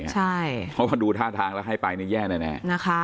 เพราะว่าดูท่าทางแล้วให้ไปนี่แย่แน่